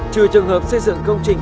trừ trường hợp xây dựng công trình